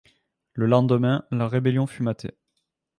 Le lendemain, la rébellion fut matée.